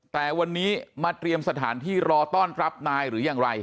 แต่วันนี้มาเตรียมสถานที่รอต้อนรับนายหรือยังไร